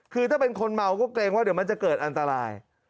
คือถ้าเป็นคนเมาก็เกรงว่าเดี๋ยวมันจะเกิดอันตราย